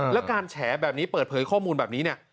แล้วการแฉแบบนี้เปิดเผยข้อมูลแบบนี้เนี่ย